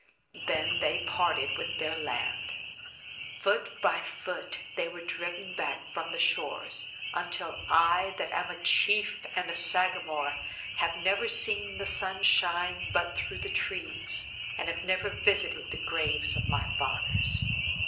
Then they parted with their land. Foot by foot, they were driven back from the shores, until I, that am a chief and a Sagamore, have never seen the sun shine but through the trees, and have never visited the graves of my fathers."